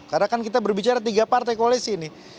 karena kan kita berbicara tiga partai koalisi ini